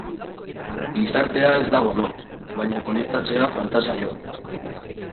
Gizartea ez dago lo, baina konektatzea falta zaio.